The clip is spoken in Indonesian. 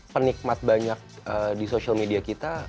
penikmat banyak di social media kita